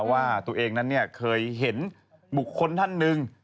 ว่าตัวเองนั้นเคยเห็นบุคคลท่านหนึ่ง